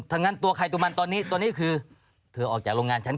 ถ้างั้นตัวใครตัวมันตอนนี้ตัวนี้คือเธอออกจากโรงงานฉัน